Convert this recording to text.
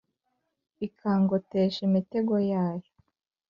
ikangotesha imitego yayo